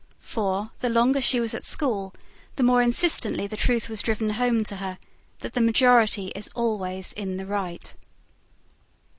For, the longer she was at school, the more insistently the truth was driven home to her, that the majority is always in the right.